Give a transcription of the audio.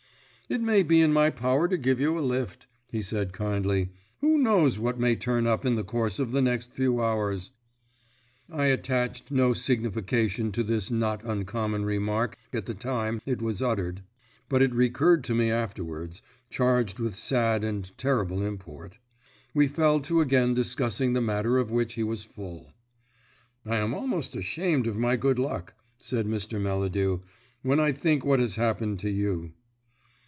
"It may be in my power to give you a lift," he said kindly. "Who knows what may turn up in the course of the next few hours?" I attached no signification to this not uncommon remark at the time it was uttered, but it recurred to me afterwards, charged with sad and terrible import. We fell to again discussing the matter of which he was full. "I am almost ashamed of my good luck," said Mr. Melladew, "when I think what has happened to you."